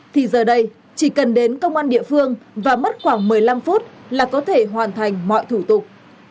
thì giờ đây chỉ cần đến công an địa phương và mất khoảng một mươi năm phút là có thể hoàn thành mọi thủ tục